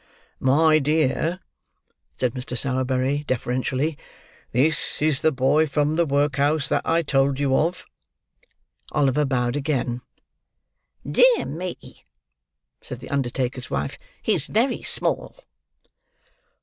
"My dear," said Mr. Sowerberry, deferentially, "this is the boy from the workhouse that I told you of." Oliver bowed again. "Dear me!" said the undertaker's wife, "he's very small."